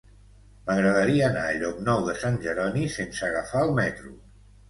M'agradaria anar a Llocnou de Sant Jeroni sense agafar el metro.